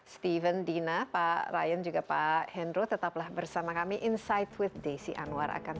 steven dina pak ryan juga pak hendro tetaplah bersama kami insight with desi anwar akan